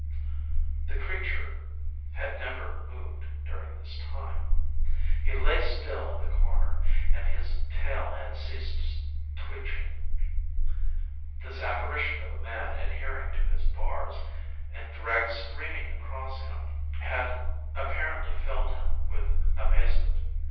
The creature had never moved during this time. He lay still in the corner, and his tail had ceased switching. This apparition of a man adhering to his bars and dragged screaming across him had apparently filled him with amazement.